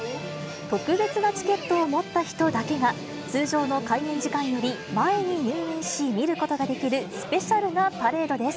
特別なチケットを持った人だけが、通常の開園時間より前に入園し、見ることができるスペシャルなパレードです。